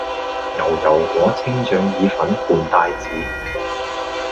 牛油果青醬意粉伴帶子